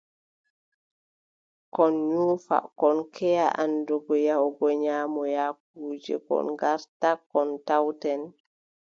Kon nyuufa, kon keʼa anndugo yahugo nyaamoya kuuje, kon ngarta, kon tawten.